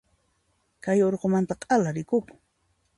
Kay urqumanta k'ala rikukun.